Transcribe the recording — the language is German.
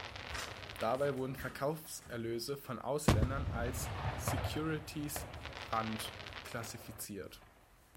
Dabei wurden Verkaufserlöse von Ausländern als Securities Rand klassifiziert.